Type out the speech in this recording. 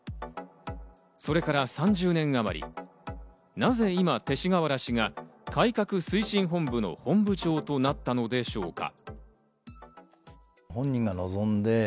それから３０年あまり、なぜ今、勅使河原氏が改革推進本部の本部長となったのでしょうか？